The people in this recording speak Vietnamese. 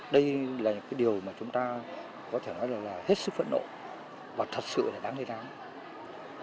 đây là điều mà chúng ta có thể nói là hết sức phẫn nộ và thật sự là đáng đề đáng